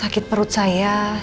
sakit perut saya